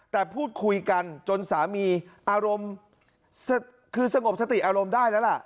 แต่พูดคุยกันจนสามีอารมณ์คือสงบสติอารมณ์ได้แล้วล่ะ